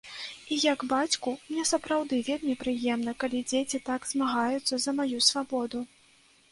І як бацьку, мне сапраўды вельмі прыемна, калі дзеці так змагаюцца за маю свабоду.